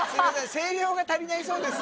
声量が足りないそうです